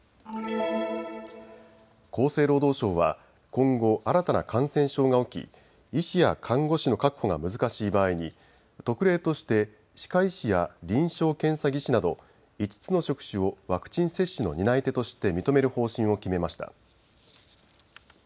厚生労働省は今後、新たな感染症が起き医師や看護師の確保が難しい場合に特例として歯科医師や臨床検査技師など５つの職種をワクチン接種の担い手として認める方針を決めました。